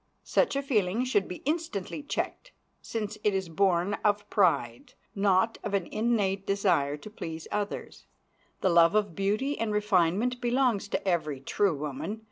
Such a feeling should be instantly checked, since it is born of pride, not of an innate desire to please others. The love of beauty and refinement belongs to every true woman.